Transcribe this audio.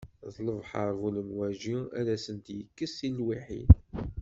Di lebḥer bu lemwaji, ad asent-yekkes tilwiḥin.